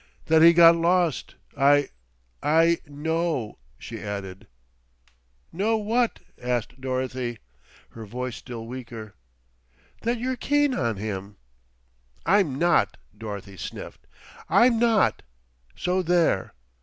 "That he got lost. I I know," she added. "Know what?" asked Dorothy, her voice still weaker. "That you're keen on him." "I'm not," Dorothy sniffed. "I'm not, so there."